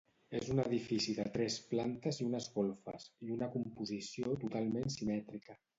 És un edifici de tres plantes i unes golfes, i una composició totalment simètrica.